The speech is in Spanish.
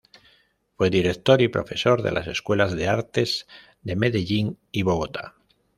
Fue director y profesor de las Escuelas de Artes de Medellín y Bogotá.